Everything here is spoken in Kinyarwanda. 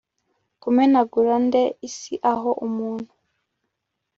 Kumenagura nde Isi aho umuntu